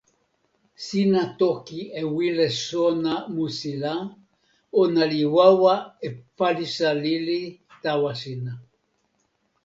sina toki e wile sona musi la, ona li wawa e palisa lili tawa sina.